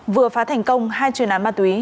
vừa phá thành công hai truyền án ma túy